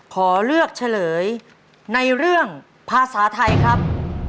ขอเลือกเฉลยในเรื่องภาษาไทยครับ